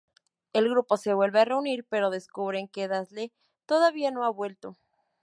El grupo se vuelve a reunir pero descubren que Dazzle todavía no ha vuelto.